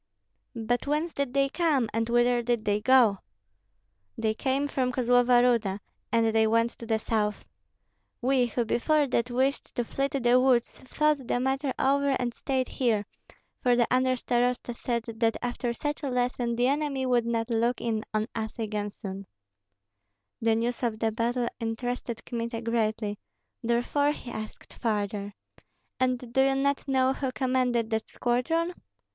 "But whence did they come, and whither did they go?" "They came from Kozlova Ruda, and they went to the south. We, who before that wished to flee to the woods, thought the matter over and stayed here, for the under starosta said that after such a lesson the enemy would not look in on us again soon." The news of the battle interested Kmita greatly, therefore he asked further: "And do you not know who commanded that squadron?"